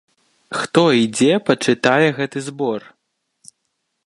Хто і дзе пачытае гэты збор?